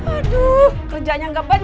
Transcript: aduh kerjanya enggak pencus